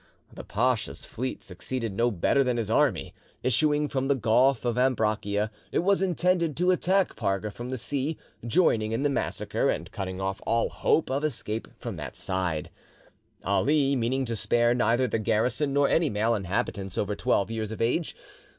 The pacha's fleet succeeded no better than his army. Issuing from the Gulf of Ambracia, it was intended to attack Parga from the sea, joining in the massacre, and cutting off all hope of escape from that side, Ali meaning to spare neither the garrison nor any male inhabitants over twelve years of age.